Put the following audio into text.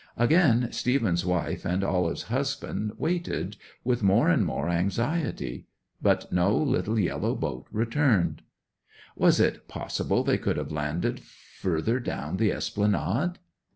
'Again Stephen's wife and Olive's husband waited, with more and more anxiety. But no little yellow boat returned. Was it possible they could have landed further down the Esplanade?